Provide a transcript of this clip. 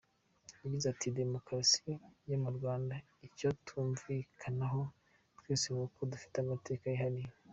Yagize ati “Demokarasi yo mu Rwanda icyo twumvikanaho twese ni uko dufite amateka yihariye.